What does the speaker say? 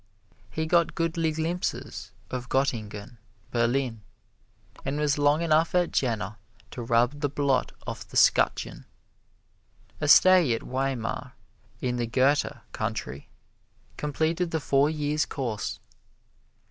He got goodly glimpses of Gottingen, Berlin, and was long enough at Jena to rub the blot off the 'scutcheon. A stay at Weimar, in the Goethe country, completed the four years' course.